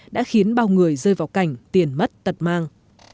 vẫn bao người rơi vào cảnh tiền mất tật mang